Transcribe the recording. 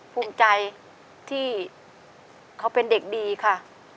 ภูมิใจที่เขาเป็นเด็กดีค่ะ